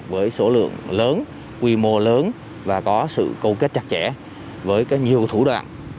với số lượng lớn quy mô lớn và có sự câu kết chặt chẽ với nhiều thủ đoạn